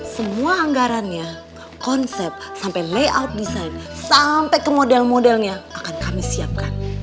semua anggarannya konsep sampai layout desain sampai ke model modelnya akan kami siapkan